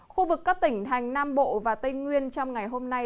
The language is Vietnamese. khu vực các tỉnh thành nam bộ và tây nguyên trong ngày hôm nay